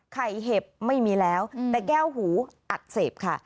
เห็บไม่มีแล้วแต่แก้วหูอักเสบค่ะ